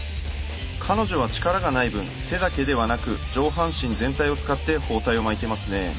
彼女は力がない分手だけではなく上半身全体を使って包帯を巻いてますね。